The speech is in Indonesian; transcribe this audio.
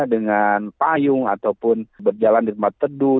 dengan payung ataupun berjalan di tempat teduh